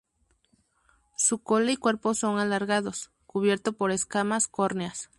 Su cola y cuerpo son alargados, cubierto por escamas córneas.